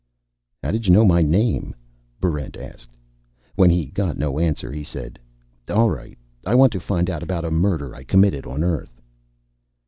"How did you know my name?" Barrent asked. When he got no answer, he said, "All right. I want to find out about a murder I committed on Earth."